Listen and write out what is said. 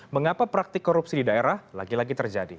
mengapa praktik korupsi di daerah lagi lagi terjadi